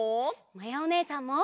まやおねえさんも！